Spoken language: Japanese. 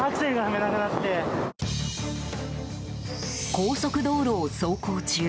高速道路を走行中